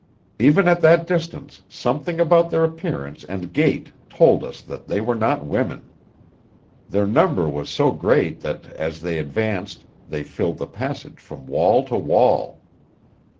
Even at that distance something about their appearance and gait told us that they were not women. Their number was so great that as they advanced they filled the passage from wall to wall.